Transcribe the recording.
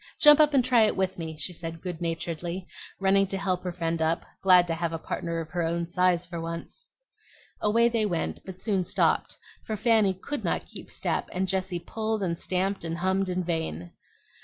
Jump up and try it with me!" she said good naturedly, running to help her friend up, glad to have a partner of her own size for once. Away they went, but soon stopped; for Fanny could not keep step, and Jessie pulled and stamped and hummed in vain.